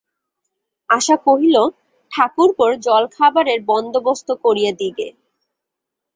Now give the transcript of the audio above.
আশা কহিল, ঠাকুরপোর জলখাবারের বন্দোবস্ত করিয়া দিই গে।